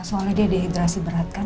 soalnya dia dehidrasi berat kan